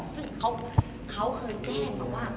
คือคือค่าคุยดีมาก